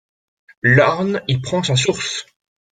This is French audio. L'Orne y prend sa source.